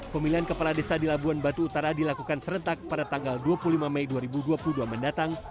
pemilihan kepala desa di labuan batu utara dilakukan serentak pada tanggal dua puluh lima mei dua ribu dua puluh dua mendatang